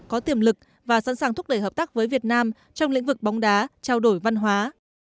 có tiềm lực và sẵn sàng thúc đẩy hợp tác với việt nam trong lĩnh vực bóng đá trao đổi văn hóa